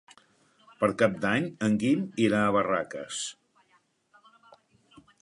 Per Cap d'Any en Guim irà a Barraques.